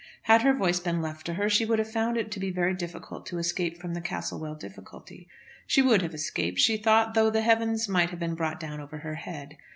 Had her voice been left to her she would have found it to be very difficult to escape from the Castlewell difficulty. She would have escaped, she thought, though the heavens might have been brought down over her head.